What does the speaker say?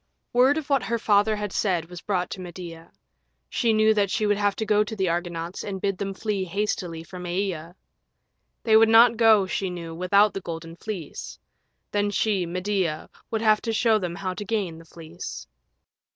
Word of what her father had said was brought to Medea. She knew that she would have to go to the Argonauts and bid them flee hastily from Aea. They would not go, she knew, without the Golden Fleece; then she, Medea, would have to show them how to gain the Fleece.